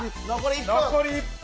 残り１分。